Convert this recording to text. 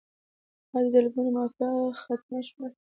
آیا د درملو مافیا ختمه شوه؟